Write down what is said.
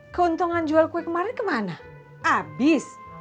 keuntungan jual kue kemarin kemana habis